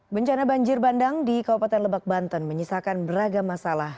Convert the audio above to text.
bencana banjir bandang di kabupaten lebak banten menyisakan beragam masalah